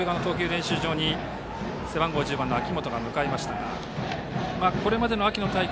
練習場に背番号１０番の秋本が向かいましたがこれまでの秋の大会